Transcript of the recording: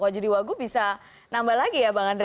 mau jadi wagub bisa nambah lagi ya bang andre